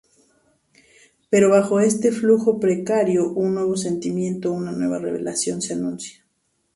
Pero, bajo este flujo precario, un nuevo sentimiento, una nueva revelación se anuncia.